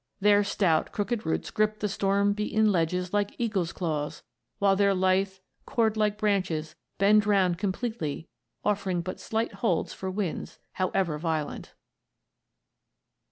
"Their stout, crooked roots grip the storm beaten ledges like eagle's claws, while their lithe, cord like branches bend round completely, offering but slight holds for winds, however violent."